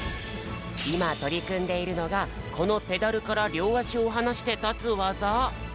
いまとりくんでいるのがこのペダルからりょうあしをはなしてたつワザ。